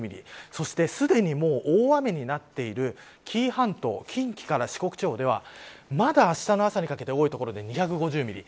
そして、すでに大雨になっている紀伊半島近畿から四国地方ではまだ、あしたの朝にかけて多い所で２５０ミリ。